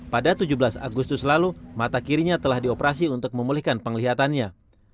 pada tujuh belas agustus lalu mata kirinya telah dioperasi untuk memulihkan penglihatannya